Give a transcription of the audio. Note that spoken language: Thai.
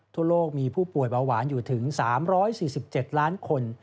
ทั่วโลกมีผู้ป่วยเบาหวานอยู่ถึง๓๔๗ล้านคน